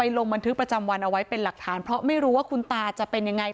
ลงบันทึกประจำวันเอาไว้เป็นหลักฐานเพราะไม่รู้ว่าคุณตาจะเป็นยังไง